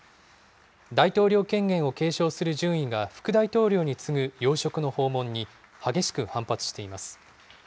大統領権限を継承する順位が副大統領に次ぐ要職の訪問に激しく反発しています。